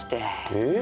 えっ？